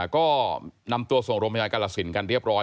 ก็นำตัวส่งโรงพยาบาลกาลสินกันเรียบร้อย